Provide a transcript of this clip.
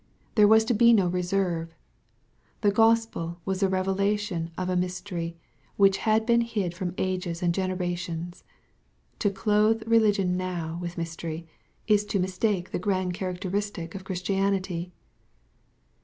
There was to be no reserve. The Gospel was the revelation of a mys tery, which had been hid from ages and generations. To clothe religion now with mystery, is to mistake the* grand characteristic of Christianity.